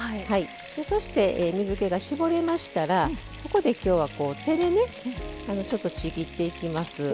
そして、水けが絞れましたらここで、きょうは手で、ちぎっていきます。